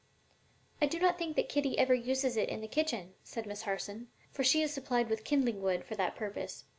"I do not think that Kitty ever uses it in the kitchen," said Miss Harson, "for she is supplied with kindling wood for that purpose.